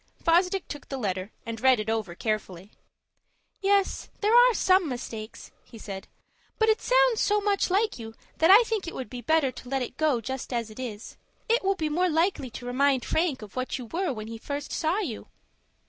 Fosdick took the letter, and read it over carefully. "Yes, there are some mistakes," he said; "but it sounds so much like you that I think it would be better to let it go just as it is. It will be more likely to remind Frank of what you were when he first saw you."